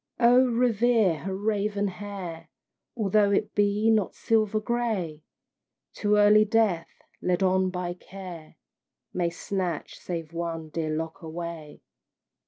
Oh, revere her raven hair! Although it be not silver gray; Too early Death, led on by Care, May snatch save one dear lock away.